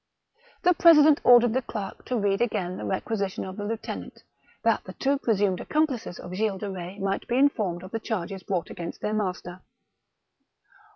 The president ordered the clerk to read again the requisition of the lieutenant, that the two presumed accompUces of Gilles de Eetz might be informed of the charges brought against their master.